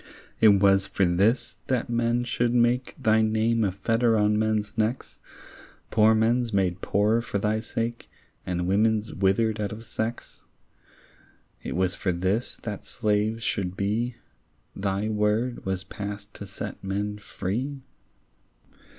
It was for this, that men should make Thy name a fetter on men's necks, Poor men's made poorer for thy sake, And women's withered out of sex? It was for this, that slaves should be, Thy word was passed to set men free?